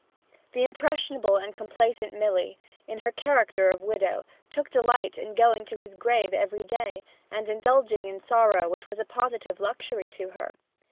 The impressionable and complaisant Milly, in her character of widow, took delight in going to his grave every day, and indulging in sorrow which was a positive luxury to her.